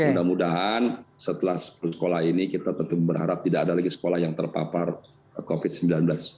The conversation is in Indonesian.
mudah mudahan setelah sekolah ini kita tentu berharap tidak ada lagi sekolah yang terpapar covid sembilan belas